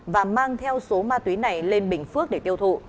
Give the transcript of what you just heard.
và mang theo số ma túy này lên bình phước để tiêu thụ